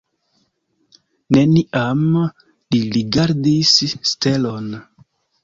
Neniam li rigardis stelon.